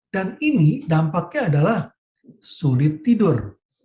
dan ini dampaknya adalah sulit tidur